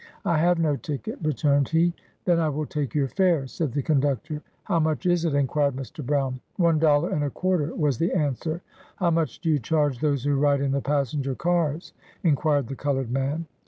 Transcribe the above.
"I have no ticket," returned he. " Then I will take your fare," said the 58 BIOGRAPHY OF conductor. u How much is it?" inquired Mr. Brown. " One dollar and a quarter," was the answer. " How much do you charge those who ride in the passenger cars ?" inquired the colored man.